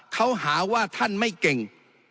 เขาหาว่าท่านไม่เก่ง